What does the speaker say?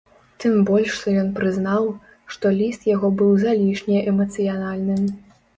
Тым больш што ён прызнаў, што ліст яго было залішне эмацыянальным.